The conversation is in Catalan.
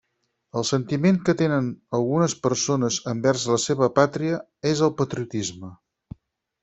El sentiment que tenen algunes persones envers la seva pàtria és el patriotisme.